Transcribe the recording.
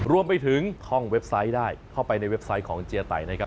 รวมไปถึงท่องเว็บไซต์ได้เข้าไปในเว็บไซต์ของเจียไตนะครับ